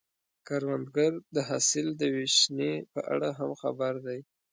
کروندګر د حاصل د ویشنې په اړه هم خبر دی